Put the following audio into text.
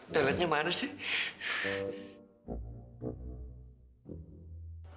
toiletnya mana sih